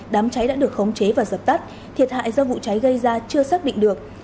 đám cháy đã được khống chế và dập tắt thiệt hại do vụ cháy gây ra chưa xác định được